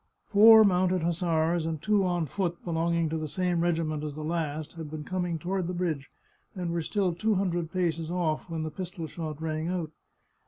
Four mounted hussars and two on foot belonging to the same regiment as the last had been coming toward the bridge, and were still two hundred paces off when the pistol shot rang out.